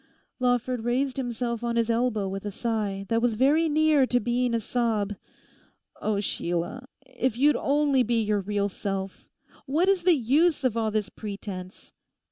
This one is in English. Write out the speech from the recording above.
Lawford raised himself on his elbow with a sigh that was very near to being a sob. 'Oh, Sheila, if you'd only be your real self! What is the use of all this pretence?